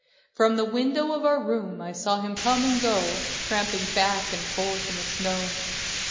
From the window of our room I saw him come and go, tramping back and forth in the snow.